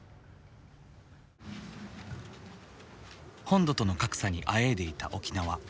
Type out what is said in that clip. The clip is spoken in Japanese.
本土との格差にあえいでいた沖縄。